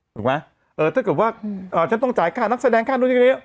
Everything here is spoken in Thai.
ถึงว่าฉันต้องจ่ายค่านักแสดงค่านู้นอยู่นี้